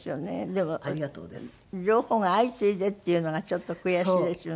でも両方が相次いでっていうのがちょっと悔しいですよね。